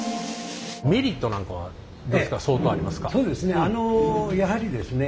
メリットなんかは相当ありますか？